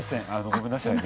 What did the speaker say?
ごめんなさいね。